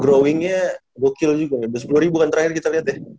growing nya gokil juga ya dua puluh ribuan terakhir kita lihat ya